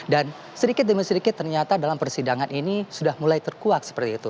dan sedikit demi sedikit ternyata dalam persidangan ini sudah mulai terkuat seperti itu